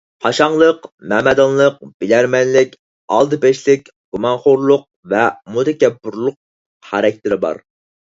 قاشاڭلىق، مەمەدانلىق، بىلەرمەنلىك، ئالدىپەشلىك، گۇمانخورلۇق ۋە مۇتەكەببۇرلۇق خاراكتېرى بار.